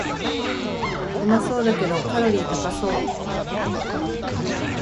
うまそうだけどカロリー高そう